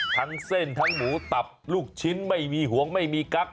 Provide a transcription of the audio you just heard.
ทั้งเส้นทั้งหมูตับลูกชิ้นไม่มีหวงไม่มีกั๊ก